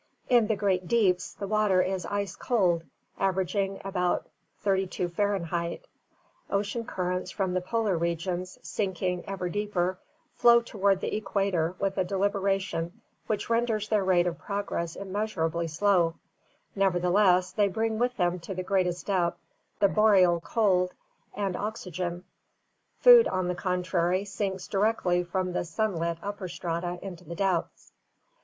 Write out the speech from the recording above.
In the great "deeps" the water is ice cold, averaging about 3 20 Fahrenheit. Ocean currents from the polar regions, sinking ever deeper, flow toward the equator with a deliberation which renders their rate of progress immeasurably slow; neverthe less they bring with them to the greatest depth the boreal cold, and oxygen; food, on the contrary, sinks directly from the sun lit upper strata into the depths.